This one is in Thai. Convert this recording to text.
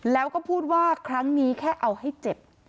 แล้วก็พูดว่าครั้งนี้แค่เอาให้เจ็บ